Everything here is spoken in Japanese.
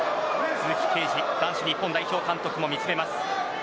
鈴木桂治男子日本代表の監督も見つめます。